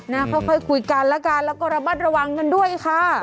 ค่อยคุยกันแล้วกันแล้วก็ระมัดระวังกันด้วยค่ะ